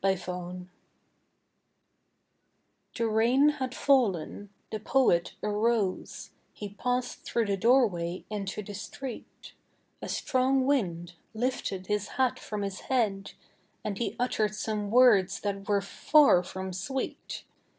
THE POET'S HAT The rain had fallen, the Poet arose, He passed through the doorway into the street, A strong wind lifted his hat from his head, And he uttered some words that were far from sweet.